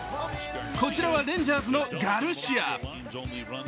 こちらはレンジャーズのガルシア。